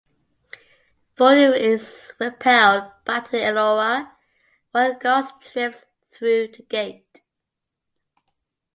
Ford is repelled back to Ellora while Goss drifts through the gate.